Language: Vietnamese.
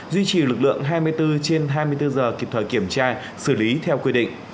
duy trì lực lượng hai mươi bốn trên hai mươi bốn giờ kịp thời kiểm tra xử lý theo quy định